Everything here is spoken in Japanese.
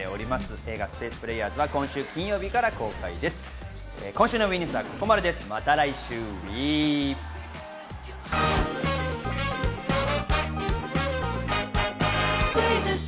映画『スペース・プレイヤーズ』は今週金曜日から公開です。